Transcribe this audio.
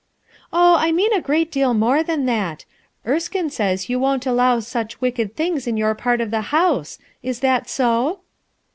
*' "Oh, I mean a great deal more than that, Erskine says you won't allow such wicked things in your part of the house. Is that so?"